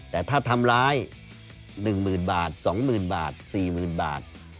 แต่ถ้าทำร้าย๑๐๐๐บาท๒๐๐๐บาท๔๐๐๐บาท